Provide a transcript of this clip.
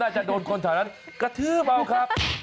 น่าจะโดนคนสายนนั้นกระทื้อเบาครับ